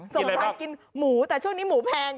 กินอะไรบ้างสมชัยกินหมูแต่ช่วงนี้หมูแพง